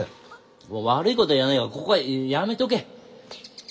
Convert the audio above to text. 悪いこた言わねえがここはやめとけ。